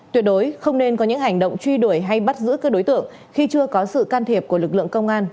tuyệt đối không nên có những hành động truy đuổi hay bắt giữ các đối tượng khi chưa có sự can thiệp của lực lượng công an